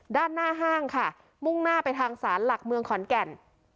ด้านหน้าห้างค่ะมุ่งหน้าไปทางศาลหลักเมืองขอนแก่น